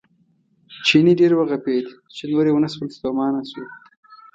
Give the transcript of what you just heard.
چیني ډېر وغپېد چې نور یې ونه شول ستومانه شو.